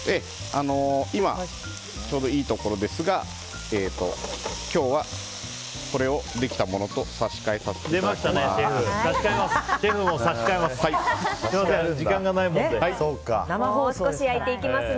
今、ちょうどいいところですが今日は、これをできたものと差し替えさせていただきます。